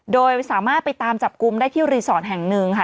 โดยสามารถไปตามจับกลุ่มได้ที่รีสอร์ทแห่งหนึ่งค่ะ